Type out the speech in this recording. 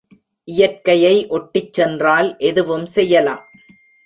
இயற்கையை ஒட்டிச் சென்றால் எதுவும் செய்யலாம்.